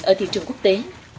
ở thị trường quốc tế